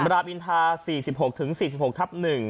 ระดาษอินทรา๔๖๔๖ทับ๑